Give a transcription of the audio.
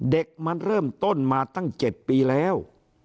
เด็กมันเริ่มต้นมาตั้ง๗ปีแล้ว